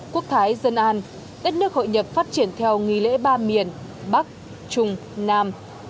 quốc thái dân an đất nước hội nhập phát triển theo nghi lễ ba miền bắc trung nam